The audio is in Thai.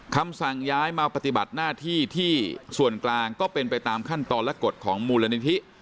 คำสั่งย้ายมาปฏิบัติหน้าที่ที่ส่วนกลางก็เป็นไปตามขั้นตอนและกฎของมูลนิธิ